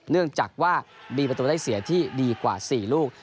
เนื่องจากว่ามีประตูได้เสียที่ดีกว่า๔ลูก